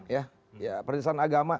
ya penistaan agama